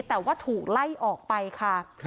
แต่ว่าถูกไล่ออกไปค่ะ